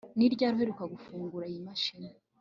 ni ryari uheruka gufungura iyi mashini